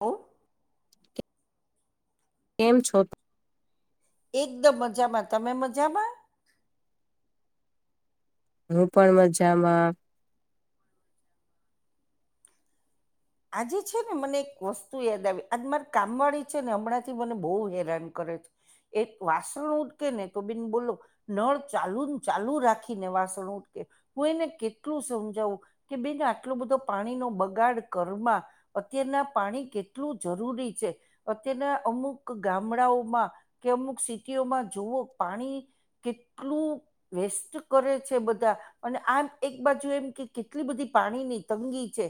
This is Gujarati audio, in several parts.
હલો. કેમ છો? એકદમ મજામાં તમે મજામાં? હું પણ મજામાં આજે છે ને મને એક વસ્તુ યાદ આવી આજ મારે કામવાળી છે ને હમણાં થી મને બહુ હેરાન કરે છે એક વાસણ ઉટકે ને તો બેન બોલો નળ ચાલુ ન ચાલુ રાખીને વાસણ ઉટકે હું એને કેટલું સમજાવું કે બેન આટલું બધો પાણીનો બગાડ ઘરમાં અત્યારના પાણી કેટલું જરૂરી છે, અત્યારના અમુક ગામડાઓમાં કે અમુક સ્થિતિઓમાં જોવઓ પાણી કેટલું વેસ્ટ કરે છે બધા અને આમ એક બાજુ એમ કે કેટલી બધી પાણીની તંગી છે.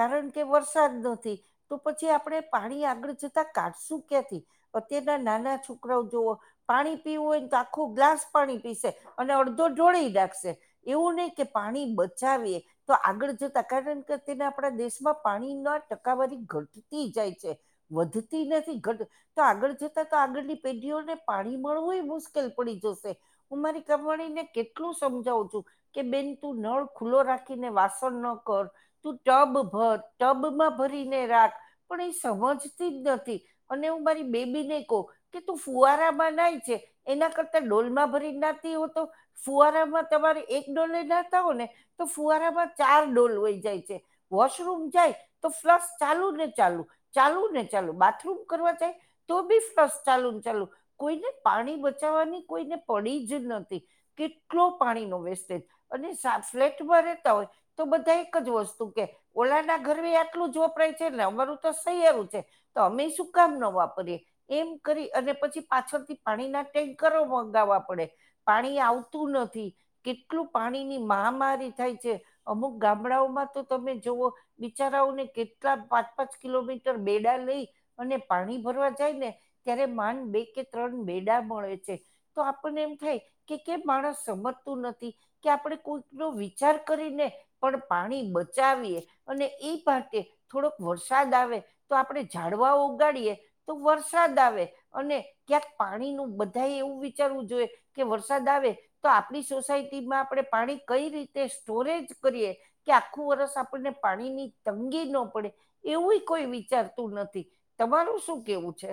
કારણ કે વરસાદ નથી તો પછી આપણે પાણી આગળ જતા કાઢશું ક્યાંથી અત્યારના નાના છોકરાઓ જોઓ પાણી પીવું હોય તો આખું ગ્લાસ પાણી પીસે અને અડધો ઢોળી નાખશે એવું નહી કે પાણી બચાવી તો આગળ જતા કારણ કે તેના આપણા દેશમાં પાણીના ટકાવારી ઘટતી જાય છે વધતી નથી ઘટ તો આગળ જતા તો આગળની પેઢીઓને પાણી મળવું મુશ્કેલ પડી જશે હું મારી કામવાળી ને કેટલું સમજાવુ છું. કે બેન તું નળ ખુલ્લો રાખીને વાસણ ન કર તું ટબ ભર ટબ માં ભરીને રાખ પણ એ સમજતી જ નથી અને હું મારી બેબી ને કઉ કે તું ફુવારા માં નાય જે છે એના કરતા ડોલમાં ભરી નહાતી હો તો ફુવારામાં તમારે એક ડોલને નાતા હો ને તો ફુવારામાં ચાર ડોલ વય જાય છે વોશરૂમ જાય તો ફ્લસ ચાલુ ને ચાલુ ચાલુ ને ચાલુ બાથરૂમ કરવા જાય તો બી ફ્લશ ચાલુ ને ચાલુ કોઈને પાણી બચાવવાની કોઈને પડી જ નથી કેટલો પાણી નો વેસ્ટેજ અને ફ્લેટમાં રહેતા હોય તો બધા એક જ વસ્તુ કે ઓલા ના ઘરમાં આટલું જ વપરાય છે ને અમારું તો સૈયારુ છે તો અમે શું કામ ન વાપરીએ એમ કરી અને પછી પાછળથી પાણીના ટેન્કરો મગાવવા પડે. પાણી આવતું નથી. કેટલું પાણીની મહામારી થાય છે અમુક ગામડાઓમાં તો તમે. જોવઓ બિચારાઓને કેટલા પાંચ પાંચ કિલોમીટર બેડા લઈ. અને પાણી ભરવા જાય ને ત્યારે માન બે કે ત્રણ બેડા મળે છે. તો આપણને એમ થાય કે કેમ માણસ સમજતું નથી. કે આપણે કોઈક નો વિચાર કરીને પણ પાણી બચાવીએ અને એક થોડોક વરસાદ આવે તો આપડણે ઝાડવા ઉગાડીએ તો વરસાદ આવે અને ક્યાંક પાણી નુ બધા એવું વિચારવું જોઈએ. કે વરસાદ આવે તો આપણી સોસાયટીમાં આપણે પાણી કઈ રીતે સ્ટોરેજ કરીએ. કે આખું વરષ આપણને પાણી ની તંગી નો પડે. એવું કોઈ વિચારતું નથી તમારું શું કેવું છે.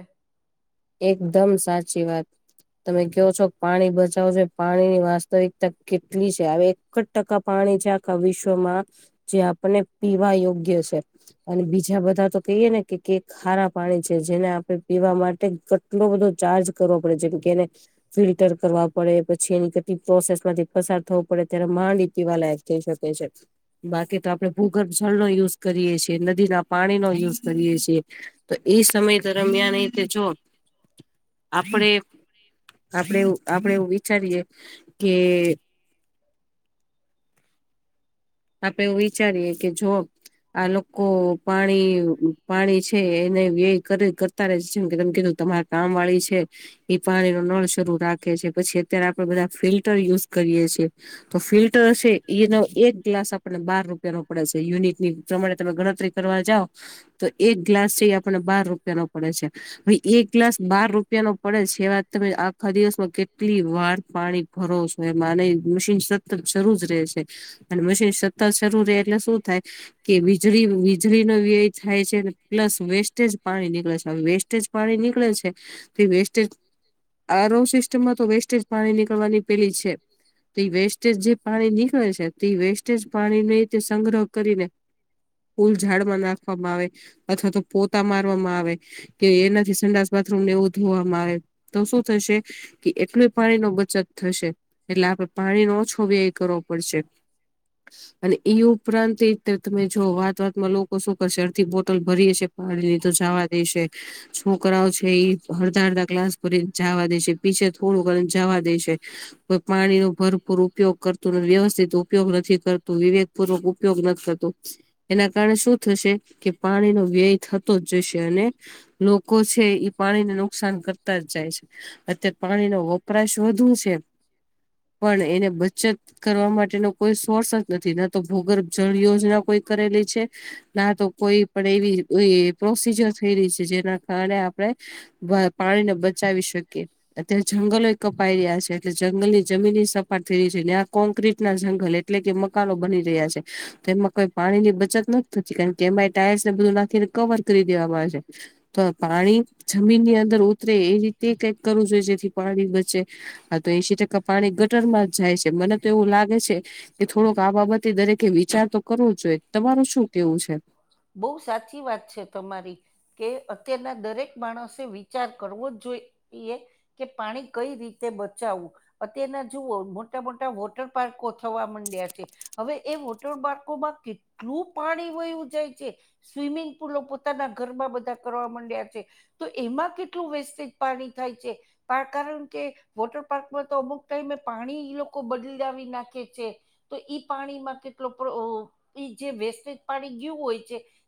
એકદમ સાચી વાત તમે કહો છો પાણી બચાવ છો પાણીની વાસ્તવિકતા કેટલી છે આવે એક ટકા પાણી છે આખા વિશ્વમાં જે આપણને પીવા યોગ્ય છે. અને બીજા બધા તો કહીએ ને કે ખારા પાણી છે જેને આપણે પીવા માટે કેટલો બધો ચાર્જ કરવો પડે જેમ કેને ફિલ્ટર કરવા પડે પછી એની કેટલી પ્રોસેસ માંથી પસાર થવો પડે ત્યારે માંડી તીવા લ. તે સ તે શ [inaudible] બાકી તો આપડે ભૂગર્ભ જળ નો યુઝ કરીએ છીએ નદી ના પાણી નો યુઝ કરીએ છીએ. તો એઈ સમય દરમિયાન એ તે જો. આપણે આપડે આપડે એવું વિચારીએ કે આપડે એવું વિચારીએે કે જો આ લોકો પાણી પાણી છે એને વ્યય કરી જે કે ત કીધું તમારા કામ વાળી છે. એ પાણી નો નળ શરૂ રાખે છે પછી અત્યારે આપડે બધા ફિલ્ટર યુઝ કરીએ છીએ. તો ફિલ્ટર છે એનો એક. ગ્લાસ આપણને બાર રૂપિયા નો પડે છે યુનિટની પ્રમાણે તમે ગણતરી કરવા જાવ. તો એક ગ્લાસ છે આપણે બાર રૂપિયા નો પડે છે. ભાઈ એક ગ્લાસ બાર રૂપિયા નો પડે છે એ વાત તમે આખા દિવસમાં કેટલી વાળ પાણી ભરો છો એમાં અને મશીન સતત શરૂુ જ રહેે છે. અને મશીન સતત જરૂરી એટલે શું થાય કે વીજળી વીજળીનો વ્યય થાય છે પ્લસ વેસ્ટેજ પાણી નીકળે છે વેસ્ટ વેસ્ટેજ પાણી નીકળે છે તે વેસ્ટેજ આરવ સિસ્ટમમાં તો વેસ્ટેજ પાણી નીકળવાની પેલી છે તો વેસ્ટેજ જે પાણી નીકળે છે. તે વેસ્ટેજ પાણી ને રીતે સંગ્રહ કરીને. ફુલ ઝાડમાં નાખવામાં આવે અથવા તો પોતા મારવામાં આવે. કે એનાથી સંડાસ બાથરૂમને એવું ધોવામાં આવે તો શું થશે. કે એટલું પાણી નો બચત થશે એટલે આપે પાણીનો ઓછો વ્યય કરવો પડશે. અને એઈ ઉપરાંત તમે જો વાત વાતમાં લોકો શું કરશે અડધી બોટલ ભરી હશે. પાડીની તો જવા દેશે છોકરાઓ છે અડધા અડધા ક્લાસ ભરી જાવા દેશે પીછે થોડું ઘને જાવા દેશે. કા‌ઇ પાણી નો ભરપૂર ઉપયોગ કરતું વ્યવસ્થિત ઉપ ઉપયોગ નથી કરતું વિવેક પૂર્વક ઉપયોગ નથી કરતું. એના કારણે શું થશે કે પાણીનો વ્યય થતો જ જશે અને લોકો છે ઇ પાણીને નુકસાન કરતા જ જાય છે. અત્યારે પાણી નો વપરાશ વધુ છે. પણ એને બચત કરવા માટેનો કોઈ સોર્સ જ નથી ના તો ભૂગર્ભ જળ યોજના કોઈ કરેલી છે. ના તો કોઈ પણ એવી એ પ્રોસીજર થઈ રહી છે જેના કારણે આપડણે પાણીને બચાવી શકીય. અત્યારે જંગલોય કપાઈ રહ્યા છે એટલે જંગલની જમીન સપા થઈ રહી છે ને આ કોંક્ર્રીટ ના જ. એટલે કે મકાનો બની રહ્યા છે તો એમાં કોઈ પાણી ની બચત નથી થતી કારણ કે એમાં ટાયર્સને બધું નાખીને. કવર કરી દેવામાં આવે છે. તો પાણી જમીનની અંદર ઉતરે એ રીતે કઈક કરવું જોઈએ જેથી પાણી બચે. હા તો એશી ટકા પાણી ગટર માં જ જાય છે મને તો એવું લાગે છે. કે થોડોક આ બાબતે દરેકે વિચાર તો કરવો જ જોઈએ તમાર શું કેવું છે. બહુ સાચી વાત છે તમારી. કે અત્યારના દરેક માણસે વિચાર કરવો જ જોઈએ. કે પાણી કઈ રીતે બચાવવું. અત્યારના જુઓ મોટા મોટા વોટર પાર્કો થવા માંડ્યા છે. હવે એ વોટર પાર્કોમાં કેટલું પાણી વયું જાય. સ્વિમિંગ પુલો પોતાના ઘરમાં બધા કરવા માંડ્યા છે. તો એમાં કેટલું વેસ્ટેજ પાણી થાય છે કારણ કે. વોટર પાર્કમાં તો અમુક ટાઈમે પાણી ઇ લોકો બદલાવી નાખે છે. તો ઈ પાણીમાં કેટલો પ્ર અ ઇજે વેસ્ટેજ પાણી ગયું હોય.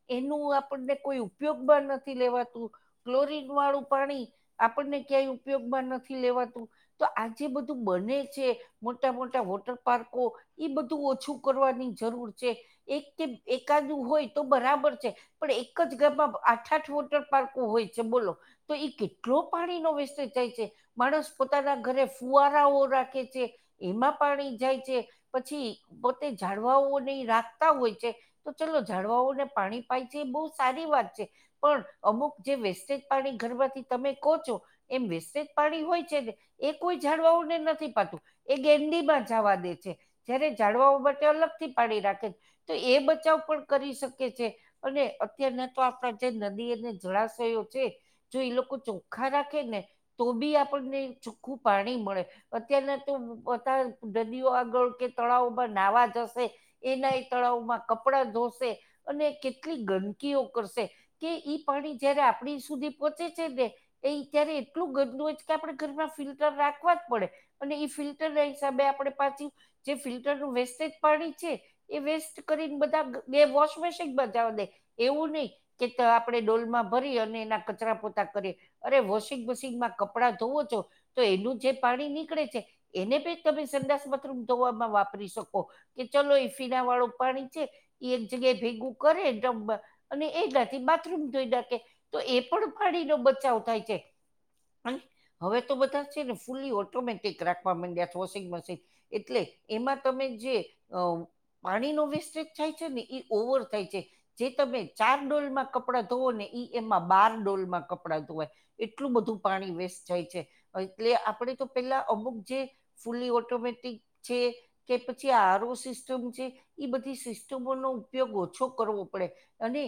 એનું આપણને કોઈ ઉપયોગ મા નથી લેવાતું. ક્લોરીન વાળું પાણી આપણને ક્યાંય ઉપયોગમાં નથી લેવાતું. તો આજે બધું બને છે મોટા મોટા વોટર પાર્કો એ બધું ઓછું કરવાની જરૂર છે એક કે એકાદું હોય. તો બરાબર છે પણ એક જ ગામમાં આઠ આઠ વોટર પાર્કો હોય છે બોલો તો એ કેટલો પાણીનો વેસ્ટેજ જાય છે. માણસ પોતાના ઘરે ફુવારાઓ રાખે છે. એમાં પાણી જાય છે, પછી પોતે જાળવાઓ નહી રાખતા હોય છે. તો ચલો જળવાઓને પાણી પાય છે એ બહુ સારી વાત છે. પણ અમુક જે વેસ્ટેજ પાણી ઘરવાથી તમે કોહો છો. એમ વેસ્ટેજ પાણી હોય છેને એ કોઈ ઝાડવાંઓને નથી પાતું. એ ગેંડીમાં જવા દે છે. જ્યારે ઝાડવાંઓ માટે અલગ થી પાડી રાખે. તો એ બચાવ પણ કરી શક કે છે, અને અત્યારના તો આપણા જે નદી અને જળાશયો છે જો ઈ લોકો ચોખ્ખા રાખે ને તો બી આપણને ચોખ્ખું પાણી મળે. અત્યારના તો અતાર નદીઓ આગળ કે તળાવમાં નાહવા જશે. એના એ તળાવમાં કપડા ધોશે, અને કેટલી ગંદકીઓ કરશે. કે ઈ પાણી જયારે આપણી સુધી પહોંચે છે ને એ ઈ ત્યારે એટલું ગંદું હોય છે કે આપણે ઘરના ફિલ્ટર રાખવા જ પડે. અને ઈ ફિલ્ટર ના હિસાબે આપણે પાછી જે ફિલ્ટરનું વેસ્ટેજ પાણી છે એ વેસ્ટ કરીને બધા ગે વોશ [unintelligible] માં જાવા દે. એવું નહી કે આપણે ડોલમાં ભરી અને એના કચરા પોતા કરીએ. અરે વોશિંગ મશીનમાં કપડાં ધોવો છો તો એનું જે પાણી નીકળે છે એને બી તમે સંડાસ, બાથરુમ ધોવામાં વાપરી શકો. કે ચલો ઈ ફીનાવાળું પાણી છે ઈ એક જ જગ્યાએ ભેગું કરે ટબમાં અને એ એનાથી બાથરૂમ જોઈ નાખે. તો એ પણ પાણીનો બચાવ થાય છે. અન હવે તો બધા છે ને ફુલ્લી ઓટોમેટિક રાખવા માંડ્યા છ વોશિંગ મશીન. એટલે એમાં તમે જે અહ પાણીનો વેસ્ટેજ થાય છે ને ઈ ઓવર થાય છે. જે તમે ચાર ડોલમાં કપડાં ધોવો ને ઈ એમાં બાર ડોલમાં કપડાં ધોવાય. એટલું બધું પાણી વેસ્ટ થાય છે. એટલે આપણે તો પેલા અમુક જે ફુલ્લી ઓટોમેટિક છે કે પછી આ આર ઓ સિસ્ટમ છે, એ બધી સિસ્ટમોનો ઉપયોગ ઓછો કરવો પડે. અને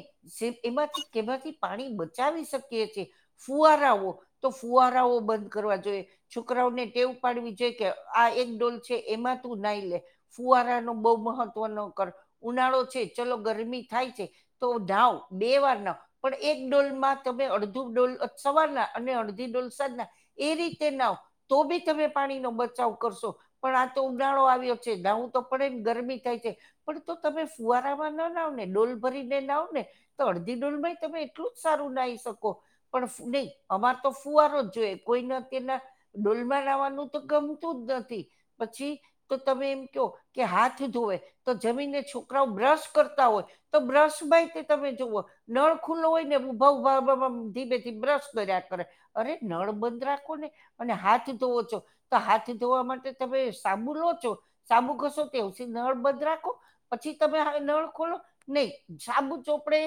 એમાંથી કેમાંથી પાણી બચાવી શકીએ છીએ. ફુવારાઓ તો ફુવારાઓ બંધ કરવા જોઈએ. છોકરાઓને ટેવ પાડવી જોઈએ કે આ એક ડોલ છે એમાં તું નાઈ લે. ફુવારા નું બઉ મહત્વ ન કર. ઉનાળો છે ચલો ગરમી થાય છે તો ધાવ બે વાર નાવ. પણ એક ડોલમાં તમે અડધો ડોલ સવારના અને અડધી ડોલ સાજના એ રીતે નાવ તો બી તમે પાણીનો બચાવ કરશો. પણ આ તો ઉગાળો આવ્યો છે નાવુ તો પડે ને ગરમી થાય છે પણ તો તમે ફુવારા ન નાવ ને ડોલ ભરીને નાવ ને તો અડધી ડોલમાંય તમે એટલું જ સારું નાની શકો. પણ નઈ અમાર તો ફુવારો જ જોઈએ કોઈને કેના ડોલમાં નાવાનું તો ગમતું જ નથી. પછી તો તમે એમ કેવ કે હાથ ધોવે તો જમીને છોકરાઓ બ્રશ કરતા હોય. તો બ્રશભાઈ તે તમે જુઓ નળ ખુલ્લો હોય ને ઉભા ઉભા ધીમે ધી બ્રશ કર્યા કરે. અરે નળ બંધ રાખો ને. અને હાથ ધોવો છો તો હાથ ધોવા માટે તમે સાબુ લો છો સાબુ ઘસો તે પછી નળ બંધ રાખો પછી તમે હવે નળ ખોલો નઈ સાબુ ચોપડે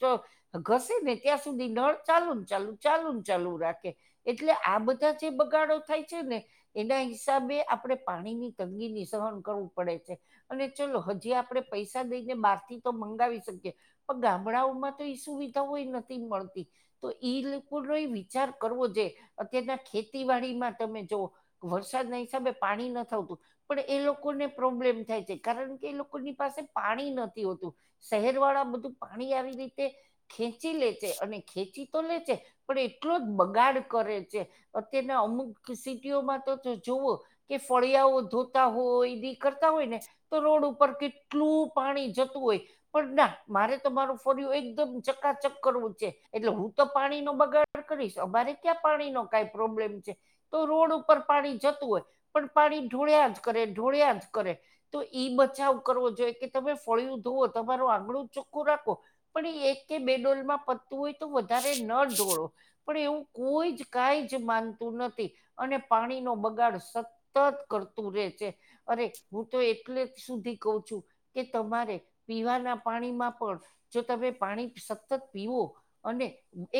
તો ઘસે ને ત્યાં સુધી નળ ચાલુ ને ચાલુ ચાલુ ને ચાલુ રાખે. એટલે આ બધા જે બગાડો થાય છે ને એના હિસાબે આપણે પાણી ની તંગીની સહન કરવું પડે છે. અને ચલો હજી આપણે પૈસા દઈને બા થી તો મંગાવી શકીએ પણ ગામડાઓમાં તો એ સુવિધા કોઈ નથી મળતી. તો ઈલોકોનો એ વિચાર કરવો જે અત્યારના ખેતીવાડીમાં તમે જોવો વરસાદના હિસાબે પાણી ન થતું. પણ એ લોકોને પ્રોબ્લેમ થાય છે. કારણ કે એ લોકોની પાસે પાણી નથી થીયુ હતું. શહેર વાળા બધું પાણી આવી રીતે ખેંચી લે છેે, અને ખેંચી તો લે છેે પણ એટલો જ બગાડ કરે છે. અત્યારના અમુક સિટીઓમાં તો જુવઓ કે ફળિયાઓ ધોતા હોય એ બી કરતા હોય ને તો રોડ ઉપર કેટલું પાણી જ જતું હોય. પણ ના મારે તો મારું ફળિયુ એકદમ ચકાચક કરવું છે, એટલે હું તો પાણી નો બગાડ કરીશ અમારે ક્યાં પાણી નો કાઈ પ્રોબ્લેમ છે. તો રોડ ઉપર પાણી જતું હોય, પણ પાણી ઢોળ્યા જ કરે ઢોળ્યા જ કરે. તો ઈ બચાવ કરવો જોઈએ કે તમે ફળિું ધોવો તમારું આંગણું ચોખ્ખું રાખો પણ એક કે બે ડોલમાં પત્તું હોય તો વધારે ન ઢોળો. પણ એવું કોઈ જ કાઈ જ માનતું નથી અને પાણીનો બગાડત સ તત કરતું રે છે. અરે હું તો એટલે સુધી કઉ છું, કે તમારે પીવાના પાણીમાં પણ જો તમે પાણી સતત પીવો અને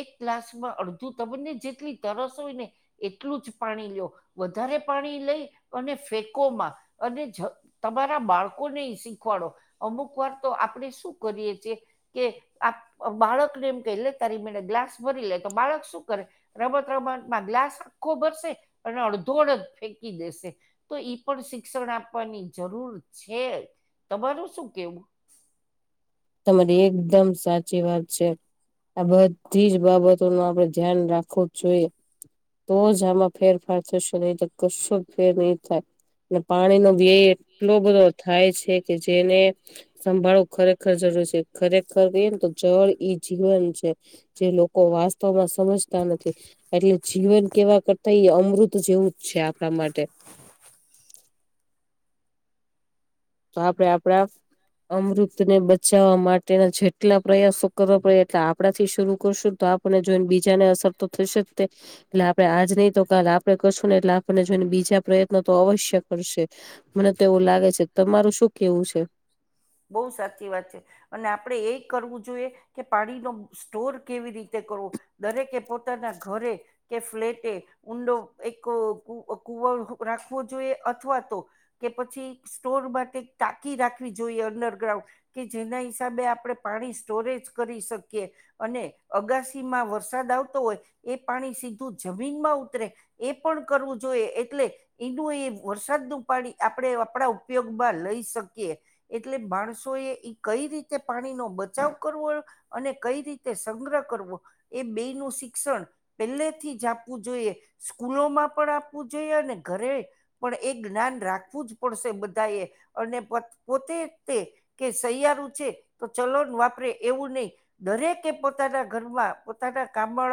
એક ગ્લાસમાં અડધું તમને જેટલી તરસ હોય ને એટલું જ પાણી લો વધારે પાણી લઈ અને ફેકોમાં અને જ તમારા બાળકોને શીખવાડો અમુક વાર તો આપણેે શું કરીએ છીએ કે આ બાળક ને એમ કઈ લે તારી મેને ગ્લાસ ભરી લે. તો બાળક શું કરે રમત રમતમાં ગ્લાસ આખો ભરસે અને અડધો અડધ ફેંકી દેશે. તો ઈ પણ શિક્ષણ આપવાની જરૂર છે. તમારું શું કેવું? તમારી એકદમ સાચી વાત છે. આ બધી જ બાબતો નો આપડે ધ્યાન રાખવું જ જોઈએ. તો જ આમાં ફેરફાર થશે નહી તો કશો જ ફેર નહી થાય. પાણીનો વ્યય એટલો બધો થાય છે કે જેને સંભાળો ખરેખર ર જરૂર છે. ખરેખર તો ને તો જળ ઈ જીવન છે. જે લોકો વાસ્તવમાં સમજતા નથી એટલે જીવન કેવા કરતા તો એ અમૃત જેવું જ છે આપણા માટે. તો આપડે આપડા અમૃતને બચાવવા માટેના છે કેટલા પ્રયાસો કરવા પડે એટલે આપણા થી શરૂ કરશું તો આપણને જોઈને બીજાને અસર તો થશે જ તે એટલે આપડણે આજ નહી તો કલે આપડે કરશું ને એટલે આપણને જોઈને બીજા પ્રયત્ન તો અવશ્ય કરશે. મને તો એવું લાગે છે તમારું શું કેવું છે? બહુ સાચી વાત છે અને આપણે એ કરવું જોઈએ કે પાણીનો સ્ટોર કેવી રીતે કરવો. દરેકે પોતાના ઘરે કે ફ્લેટે ઊંડો એક કુવ રાખવો જોઈએ અથવા તો કે પછી સ્ટોર માટે ટાંકી રાખવી જોઈએ અંડરગ્રાઉન્ડ કે જેના હિસાબે આપણે પાણી સ્ટોરેજ કરી શકીએ. અને અગાસીમાં વરસાદ આવતો હોય એ પાણી સીધું જમીનમાં ઉતરે એ પણ કરવું જોઈએ એટલે એનું એ વરસાદ નું પાણી આપણે આપણા ઉપયોગમાં લઈ શકીએ એટલે માણસો એ એ કઈ રીતે પાણીનોો બચાવ કરવો અને કઈ રીતે સંગ્રહ કરવો એ બે નું શિક્ષણ પેલેથી જ આપવું જોઈએ. સ્કૂલોમાં પણ આપવું જોઈએ અને ઘરે પણ એ જ્ઞાન રાખવું જ પડશે બધા એ અને પોતે તે કે સહિયારું છે, તો ચલોન વાપરે એવું નહી દરેકે પોતાના ઘરમાં પોતાના કામળા ઓ.